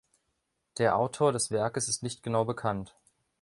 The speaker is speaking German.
Der Autor des Werkes ist nicht genau bekannt.